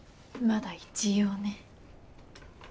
「まだ一応」ね。